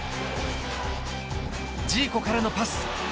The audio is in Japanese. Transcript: ジーコからのパス。